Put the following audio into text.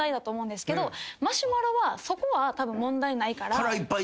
マシュマロはそこはたぶん問題ないから。